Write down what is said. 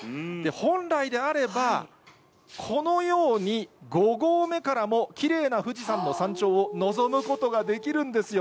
本来であれば、このように５合目からもきれいな富士山の山頂を望むことができるんですよ。